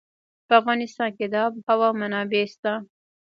په افغانستان کې د آب وهوا منابع شته.